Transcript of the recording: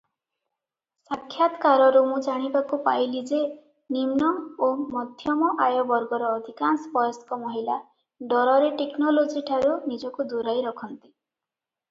ସାକ୍ଷାତକାରରୁ ମୁଁ ଜାଣିବାକୁ ପାଇଲି ଯେ ନିମ୍ନ ଓ ମଧ୍ୟମ ଆୟ ବର୍ଗର ଅଧିକାଂଶ ବୟସ୍କ ମହିଳା ଡରରେ ଟେକ୍ନୋଲୋଜିଠାରୁ ନିଜକୁ ଦୂରାଇ ରଖନ୍ତି ।